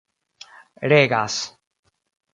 regas